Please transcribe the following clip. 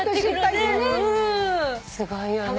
すごいよね。